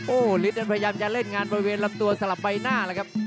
โอ้โหฤทธิ์นั้นพยายามจะเล่นงานบริเวณลำตัวสลับใบหน้าแล้วครับ